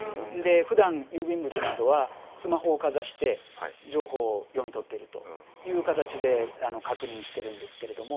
ふだん郵便物などはスマホをかざして情報を読み取っているという形で確認してるんですけれども。